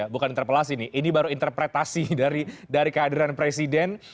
bukan interpelasi nih ini baru interpretasi dari kehadiran presiden